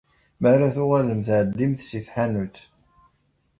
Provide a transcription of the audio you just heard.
Mi ara tuɣalemt, ɛeddimt si tḥanut.